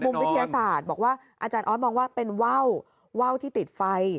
วิทยาศาสตร์บอกว่าอาจารย์ออสมองว่าเป็นว่าวที่ติดไฟ